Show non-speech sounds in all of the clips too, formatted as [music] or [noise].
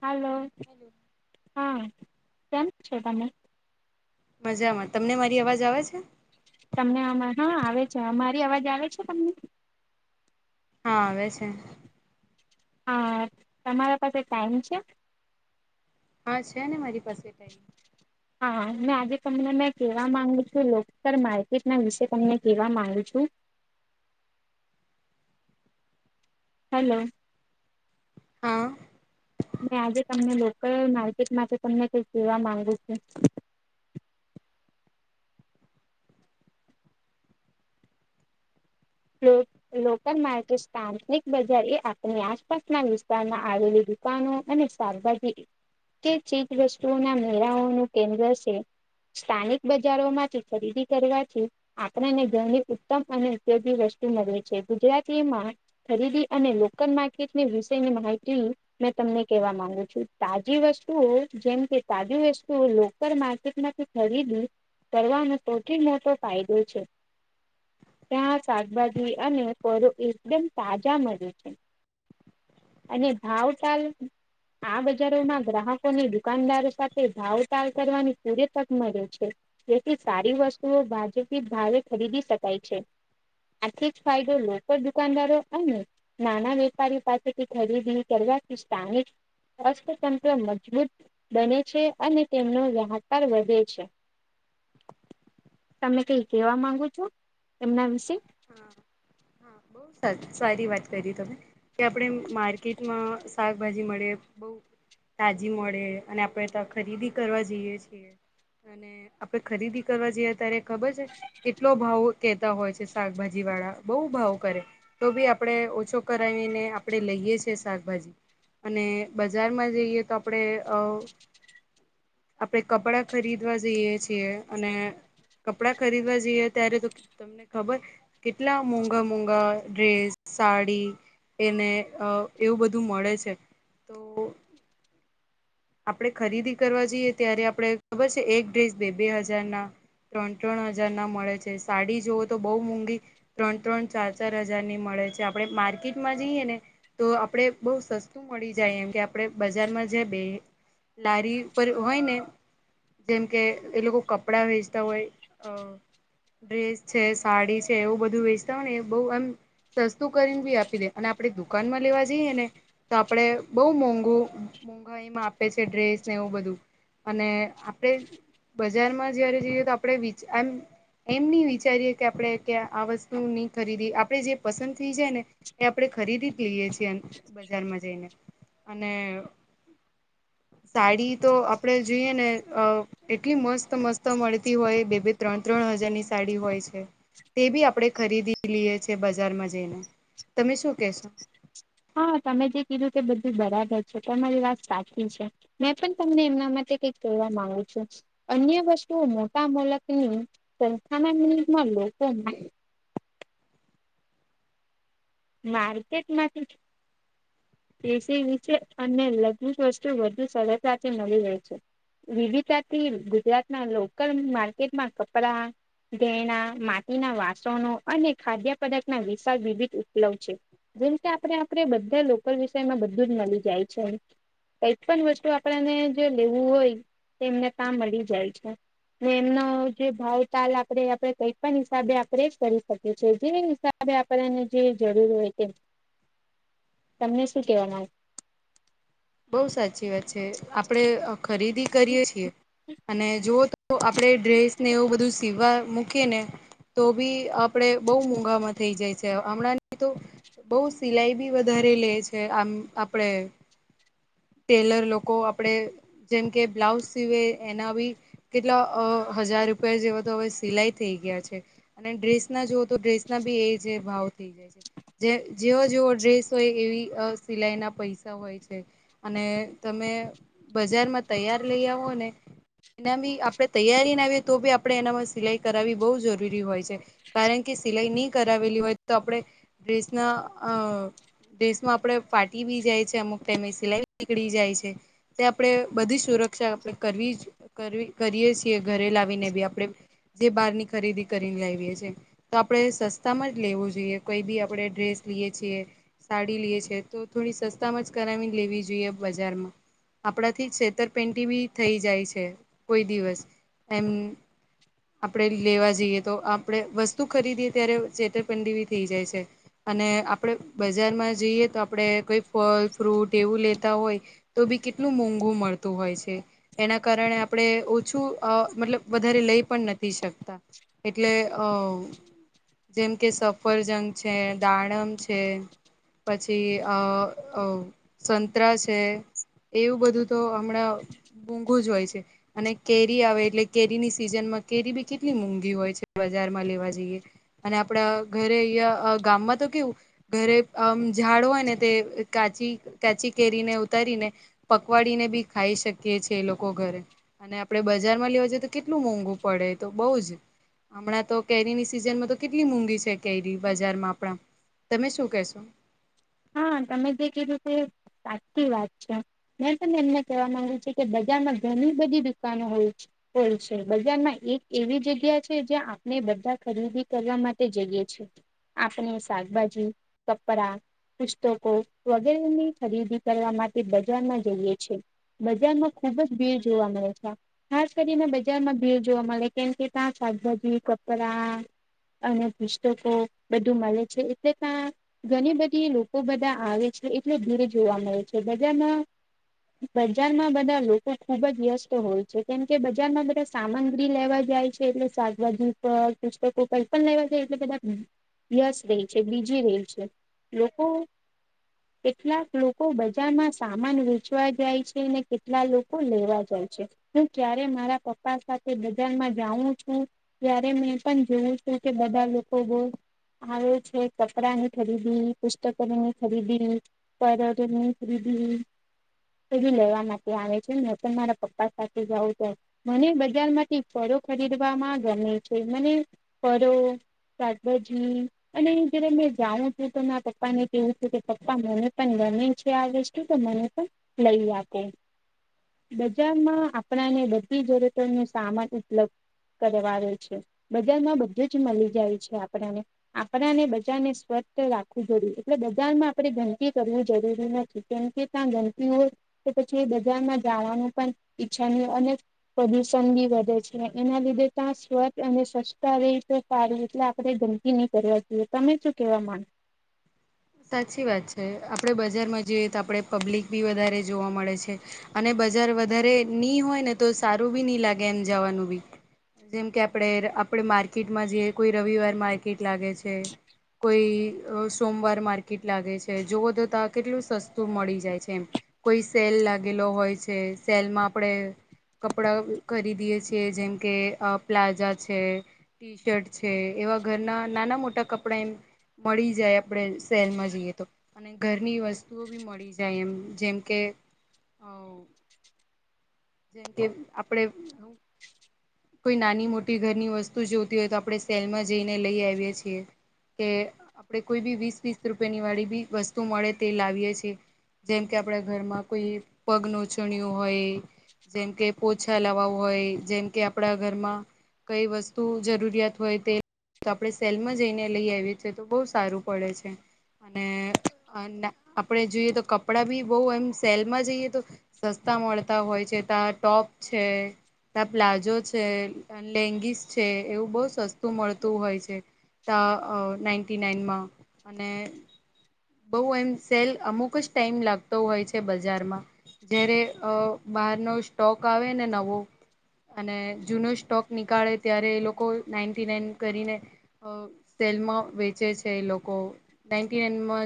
Hello hello. હા કેમ છે તને? મજામાં તમને મારી અવાજ આવે છે. તમને હા આવે છે અમારી અવાજ આવે છે તમને હા આવે છે હ તમારા પાસે ટાઈમ છે હા છે ને મારી પાસે ટાઇમ અને આજે તમને મે કેવા માંગુ છું લોકતર માર્કેટ ના વિશે તમને કેવા માંગુ છું [inaudible] હલો હા મે આજે તમને લોકલ માર્કેટ માટે તમને કઈક કેવા માંગુ છું [inaudible] લો લોકલ માર્કેટ સ્થાંતનિક બજાર એ આપણી આસપાસના વિસ્તારમાં આવેલી દુકાનો અને શાકભાજી જે ચીજ વસ્તુઓના મેળાઓનું કેન્દ્ર છે સ્થાનિક બજારોમાંથી ખરીદી કરવાથી આપણને ઘરની ઉત્તમ અને ઉપયોગ ની વસ્તુ મળે છે ગુજરાતીમાં ખરીદી અને લોકલ માર્કેટની વિશેની માહિતી મેં તમને કેવા માંગુ છું તાજી વસ્તુઓ જેમ કે તાજી વસ્તુઓ લોકલ માર્કેટ માંથી ખરીદી કરવાનો સૌથી મોટો ફાયદો છે ત્યાં શાકભાજી અને ફળો એકદમ તાજા મળી જાય અને ભાવ તાલ આ બજારોમાં ગ્રાહકોને દુકાનદારો સાથે ભાવ તાલ કરવાની પૂરી તક મળે છે જેથી સારી વસ્તુઓ બાજુપી ભાવે ખરીદી શકાય છે આથી જ ફાયદો લોકલ દુકાનદારો અને નાના વેપારી પાસેથી ખરીદી કરવા સ્થાનિક અર્થતંત્ર મજબૂત બને છે અને તેમનો રાહકાર વધે છે [inaudible] તમને કઈ કેવા માંગો છો એમના વિ બ સારી વાત કરી તમે, કે આપણે માર્કેટમાં શાકભાજી મળે બઉ તાજી મળે અને આપણે ખરીદી કરવા જઈએ છીએ. અને આપડે ખરીદી કરવા જઈએ ત્યારે ખબર છે કેટલો ભાવ કેતા હોય છે. શાકભાજી વાળા બહુ ભાવ કરે તો ભી આપણેે ઓછો કરાવીને આપણે લઈએ છેએ શાકભાજી અને બજારમાં જઈએ તો આપણેે અ આપડે કપડાં ખરીદવા જઈએ છીએ અને કપડા ખરીદવા જઈએ ત્યારે તો તમને ખબર કેટલા મોંઘા મોંઘા ડ્રેસ સાડી એને એવું બધું મળે છે તો આપડણે ખરીદી કરવા જઈએ ત્યારે આપણે ખબર છે એક ડ્રેસ બે બે હજારના ત્રણ ત્રણ હજાર ના મળે છે સાડી જોવો તો બઉુ મોંઘી ત્રણ ત્રણ ચાર ચાર હજાર ની મળે, આપ માર્કેટમાં જઈએ ને તો આપે બ સસ્તું મળી જાય એમ કે આપણે બજારમાં બે લારી ઉપર હોય ને, જેમ કે એ લોકો કપડા વેચતા હોય અ ડ્રેસ છે સાડી છે એવું બધું વેચતા હોય ને બહ એમ સસ્તું કરીને બી આપી દે અને આપણેે દુકાનમાં લેવા જઈએ ને તો આપડે બહુ મોંઘુ મોુંંઘાઈમાં આપે છે ડ્રેસ ને એવું બધું અને આપણે બજારમાં જયારે જઈએ તો આપણે એમ એમ નહી વિચારીએે કે આપણે ક્યા આ વસ્તુ નહી ખરીદી આપણે જે પસંદ થઈ જાય ને એ આપણેે, ખરીદી જ લઈએ છીએ બજારમાં જઈને અને સાડી તો આપડે જોઈએ ને અ એટલી મસ્ત મસ્ત મળતી હોય બે બે ત્રણ ત્રણ હજારની સાડી હોય છે તે બી આપણેે ખરીદી લઈએ છે બજારમાં જઈને તમે શું કેશો? હા તમે જે કીધું તે બધું બરાબર છે, મારી વાત સાચી છે, મેં પણ તમને એમનામાં [unintelligible] માંગુ છું અન્ય વસ્તુઓ મોટા મોલકની સંસ્થાના નિમા લોકો. માર્કેટમાંથી. એસી વિશે અને લગ્ન જ વસ્તુ વધુ સરળતાથી મળી રહે છે. વિવિધતાથી ગુજરાતના લોકલ માર્કેટમાં કપડા ઘેણા, માટીના વાસણો અને ખાદ્ય પદાર્થના વિશાળ વિવિધ પલવ છે, જેમ કે આપણે આપડે બધા લોકલ વિષયમાં બધું જ મલી જાય છે. કઈક પણ વસ્તુ આપણને જો લેવું હોય તો એમને તા મલી જાય છે. ને એમનો જે ભાવ તાલ આપડે આપેડે કઈ પણ હિસાબે આપણે કરી શકીએ છે, જે હિસા બે આપનેને જે જરૂર હોય તે તમને શું કેહેવામાં બઉ સાચી વાત છે, આપડે ખરીદી કરીએ છીએ અને જો તો આપણે ડ્રેસને એવું બધું સીવા મૂકીએ ને તો ભી આપડે બહુ મૂઘામાં થઈ જાય છે, હમણાંની તો, બોવ સિલાઈ બી વધારે લે છે, આમ આપડે ટેલર લોકો આપડે જેમ કે બ્લાઉઝ સિવે એના બી કેટલા અ હજાર રૂપિયા જેવા તો હવે સિલાઈ થઈ ગયા છે, અને ડ્રેસના જોવ તો ડ્રેસના બી એ જે ભાવ થય જાય છે, જે જેવો જેવો ડ્રેસ હોય એવી અ સિલાઈના પૈસા હોય છે. અને તમે બજારમાં તૈયાર લઈ આવો ને એના બી આપણે તૈયારીના આવીએ તો બી આપણે એનામાં સિલાઈ કરાવવી બોવ જરૂરી હોય છે, કારણ કે સિલાઈ ની કરાવેલી હોય તો આપણે ડ્રેસના અ ડ્રેસમાં આપડે ફાટી બી જાય છે, અમુક ટાઈમે સિલાઈ નીકળી જાય છે, તે આપણે બધી સુરક્ષા આપણે કરવી કરવી કરીએ છીએ ઘરે લાવીને બી આપણે જે બહારની ખરીદી કરીને લાવએ છીએ તો આપડે સસ્તામાં જ લેવું જો એ કોઈ બી આપણે ડ્રેસ લીએ છીએ સાડી લીએ છીએ તો થોડી સસ્તામાં જ કરાવીને લેવી જુએ બજારમાં. આપણાથી છેતરપેટી બી થઈ જાય છે, કોઈ દિવસ એમ આપણે લેવા જઈએ તો આપણે વસ્તુ ખરીદીએ ત્યારે છેતરપીડી થઈ જાય છે. અને આપડે બજારમાં જઈએ તો આપડે કોઈ ફલ ફ્રૂટ એવું લે તા હોય તો બી કેટલું મોંઘું મળતું હોય છે, એના કારણે આપણે ઓછું અ મતલબ વધારે લઈ પણ નથી શકતા એટલે અ જેમ કે સફરજન છે, દાડમ છે, પછી અ અ સંતરા છે. એવું બધું તો હમણાં મોગુ જ હોય છે, અને કેરી આવે એટલે કેરીની સિઝન મા કેરી બી કેટલી મોંઘી હોય છે, બજારમાં લેવા જઈએ અને આપડા ઘરે અયા ગામમાં તા કેવું ઘરે અંમ ઝાડ હોય ને તે કાચી કાચી કેરીને ઉતારીને પકવાડીને બી ખાઈ શકીએ છે, એ લોકો ઘરે અને આપણેે બજારમાં લ લેવા જઈએ તો કેટલું મોંઘુ પડે તો બઉ જ હમણાં તો કેરીની સિઝનમાં તો કેટલી મોંઘી છે, કેરી બજારમાં આપણા તમે શું કેશો? હા તમે જે કીધું કે સાચી વાત છે, મેં પણ એમને કેવા માંગુ છું કે બ જારમા ઘણી બધી દુકાનો હોય છે, હોય છે, બજારમાં એક એવી જગ્યા છે, જ્યાં આપણે બધા ખરીદી કરવા માટે જઈએ છે, આપણે શાકભાજી, કપડા, પુસ્તકો વગેરેની ખરીદી કરવા માટે બજારમાં જઈએ છે. બજારમાં ખુબ જ ભીડ જોવા મળે છે, ખાસ કરીને બજારમાં ભીડ જોવા મલે કેમ કે તા શાકભાજી, કપડા અને પુસ્તકો બધું મલે છે, એટલે ત્યાં ઘણી બ ધી લોકો બધા આવે છે, એટલે ભીડ જોવા મળે છે, બજારમાં બજારમાં બધા લોકો ખુબ જ વ્યસ્ત હોય છે, કેમ કે બજારમાં બધા સામગ્રી લેવા જાય છે, એટલે શાકભાજી પર પુસ્તકો કંઈ પણ લેવા જાય એટલે બધા યસ રહે છે બીજી રહે છે લોકો કેટલાક લોકો બજારમાં સામાન વેચવા જાય છે અનેને કેટલા લોકો લેવા જાય. ક્યારેક મારા પપ્પા સાથે બજારમાં જાઉ છું ત્યારે મે પણ જોઉ કે બધા લોકો બહું આવે છે કપડા ને ખરીદી રી પુસ્તક નહી ખરીદી પર નહી ખરીદી એ લેવા માટે આવે છે ન તો મારા પપ્પા સાથે જઉં છું મને બજાર માંથી ખરીદવામાં ગમે છે મને ફળો શાકભાજી અને જયારે મેં જાઉં હું તો મા પપ્પા ને કેવું છેું કે પપ્પા મને પણ ગમે છે આ વસ્તુ તો મને પણ લઈ આપે. બજારમાં આપણાને બધી જરૂરતો નો સામાન ઉપલબ્ધ કરવાવે છે બજારમાં બધું જ મળી જાય છે આપણાને આપણાને બજારને સ્વચ્છ રાખવું જોડ એટલે બધામાં આપડે ગંદકી કરવું જરૂરી નથી કેમ કે ત્યાં ગંદકી હોય પછી બજારમાં જવાનું પણ ઈચ્છા નુ અને પ્રદુષણ બી વધે છે એના લીધે સ્વછતા અને સસ્તા રે છે સારી એટલે આપણે ગંદકી નહી કરવા જોઈએ તમે શું કેવા માગો. સાચી વાત છે આપડે બજારમાં જોઈએ તો આપડે પબ્લિક બી વધારે જોવા મળે છે અને બજાર વધારે નહી હોય ને તો સારું બી નહિ લાગે એમ જવાનું બી. જેમ કે આપણે આપડે આપડે માર્કેટમાં જે કોઈ રવિવાર માર્કેટ લાગે છે. કોઈ સોમવાર માર્કેટ લાગે છે જો તોતા કેટલું સસ્તું મળી જાય છે એમ કોઈ સેલ લાગેલો હોય સેલમાં આપણેે કપડા ખરીદી એ છીએ જેમ કે પ્લાઝા છે ટી શર્ટ છે. એવા ઘરના નાના મોટા કપડા એમ મળી જાય આપણેે સેલમાં જઈએ તો અને ઘરની વસ્તુઓ બી મળી જાય એમ જેમ કે અ [inaudible] જેમ કે આપડે કોઈ નાની મોટી ઘરની વસ્તુ જોતી હોય તો આપડણે સેલમાં જઈને લઈ આવીએ છીએ કે આપણે કોઈ બી વીસ વીસ રૂપિયાની વાળી બી વસ્તુ મળે તે લાવીએ છી જેમ કે આપણા ઘરમાં કોઈ પગ ન છણિયું હોય જેમ કે પોછા લવાવું હોય જેમ કે આપણા ઘરમાં કઈ વસ્તુ જરૂરિયાત હોય તે તો આપણે સેલમાં જઈને લઈ આવીએ છીએ તો બહુ સારું પડે છે અને આપડે જોઈએ તો કપડાં ભી બહ એમ સેલ માં જઈએ તો સસ્ તા મળતા હોય છે ત્યા ટોપ છે ત્યા પ્લાઝો છે લેગીસ છે એવું બહ સસ્તું મળતું હોય છે ત ના એટી નાઇનમાં અને બઉ એમ સેલ અમુક જ ટાઈમ લાગતો હોય છે બજારમાં જયારે અ બહાર ન સ્ટોક આવે ને નવો અને જૂનો સ્ટોક નીકળે ત્યારે એ લોકો નાઇન્ટી નાઈન કરીને લમાં વેચે છે લોકો ના નામાં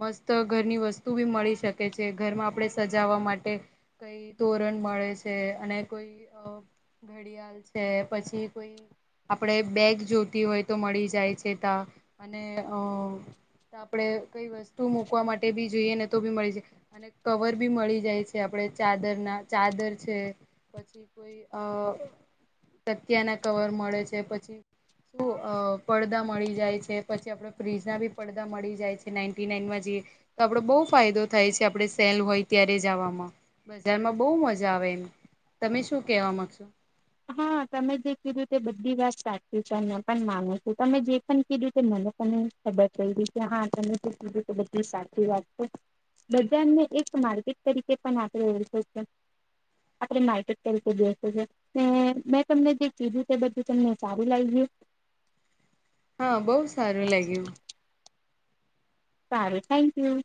મસ્ત ઘરની વસ્તુ બી મળી શકે છે ઘરમાં આપણે સજાવા માટે કઈ તોરણ મળે છે અને કોઈ ઘડિયાળ છે પછી કોઈ આપડ બેગ જોતી હોય તો મળી જાય છે ત્યા, અને અ આપણે કઈ વસ્તુ મુૂકવા માટે બી જોઈએ ને તો બી મળી જાય અને કવર બી મળી જાય છે. આપણે ચાદર ના ચાદર છે પછી, કોઈ અ સક્યા ના કવર મળે છે પછી, શું પડદા મળી જાય છે પછી આપડે ફ્રીજ ના બી પડદા મળી જાય છે નાી નાનમાં જઈએ તો આપડો બહુ ફાયદો થાય છે આપણે સેલ હોય ત્યારે જવામાં બજારમાં બહુ મજા આવે એમ તમે શું કેવા માંગશો હા તમે જે કીધું તે બધી વાત સાચી છે અને પણ માનું છું તમે જે પણ કીધું તે મ હવે કોને ખબર [unintelligible] કે હા તમે કીધું કે બધી સાચી વાત બજારને એક માર્કેટ તરીકે પણ આપણે ઓળખે છે. આપણે માહિ [unintelligible] તરીકે બેસે છે. મેં મેં તમને જે કીધું તે બધું તમને સારું લાગ્યું. હા બહુ સારું લાગ્યું. સારું થેન્ક યુ.